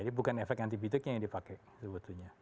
jadi bukan efek anti biotiknya yang dipakai sebetulnya